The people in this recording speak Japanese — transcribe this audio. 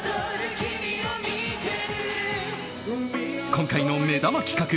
今回の目玉企画